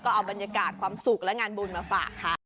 เอาบรรยากาศความสุขและงานบุญมาฝากค่ะ